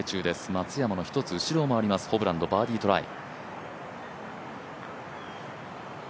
松山の１つ後ろを回ります、ホブランドのバーディートライ。